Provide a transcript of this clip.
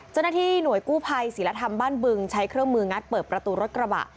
เจ้าหน้าที่หน่วยกู้ภัยศิลธรรมบ้านบึงใช้เครื่องมืองัดเปิดประตูรถกระบะ